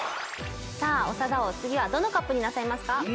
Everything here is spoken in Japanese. さあ長田王次はどのＣＵＰになさいますか？